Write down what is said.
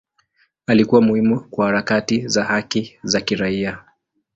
Alikuwa muhimu kwa harakati za haki za kiraia.